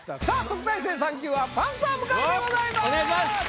さあ特待生３級はパンサー向井でございます。